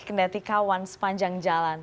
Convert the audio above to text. berhenti kawan sepanjang jalan